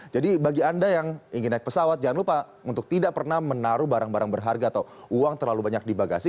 jadi bagi anda yang ingin naik pesawat jangan lupa untuk tidak pernah menaruh barang barang berharga atau uang terlalu banyak di bagasi